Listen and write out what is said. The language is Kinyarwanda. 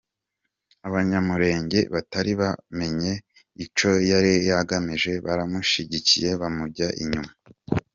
Abanyamulenge batari bamenye icyo yari agamije baramushyigikiye, bamujya inyuma.